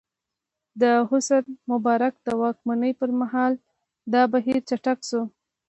د حسن مبارک د واکمنۍ پر مهال دا بهیر چټک شو.